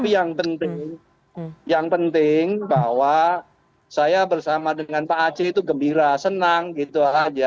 tapi yang penting yang penting bahwa saya bersama dengan pak aceh itu gembira senang gitu aja